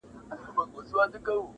چي ایرې کېمیا کوي هغه اکسیر یم!!